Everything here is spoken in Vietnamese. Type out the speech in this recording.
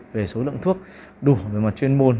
về số lượng thuốc đủ về mặt chuyên môn